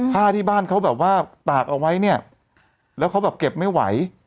ผ้าที่บ้านเขาแบบว่าตากเอาไว้เนี่ยแล้วเขาแบบเก็บไม่ไหว